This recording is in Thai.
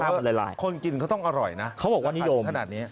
คือแสดงว่าคนกินเขาต้องอร่อยนะราคานี้ขนาดนี้